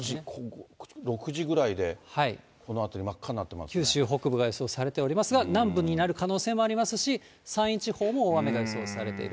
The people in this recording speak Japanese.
６時ぐらいでこの辺り、九州北部が予想されていますが、南部になる可能性もありますし、山陰地方も大雨が予想されている。